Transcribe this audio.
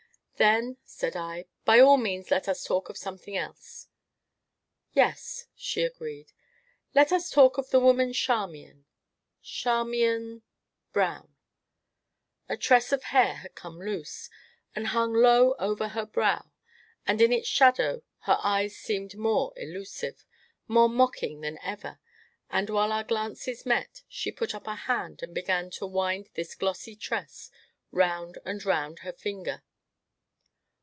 "Then," said I, "by all means let us talk of something else." "Yes," she agreed; "let us talk of the woman Charmian Charmian Brown." A tress of hair had come loose, and hung low above her brow, and in its shadow her, eyes seemed more elusive, more mocking than ever, and, while our glances met, she put up a hand and began to wind this glossy tress round and round her finger.